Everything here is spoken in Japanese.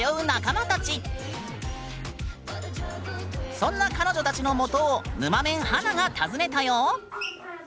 そんな彼女たちのもとをぬまメン華が訪ねたよ！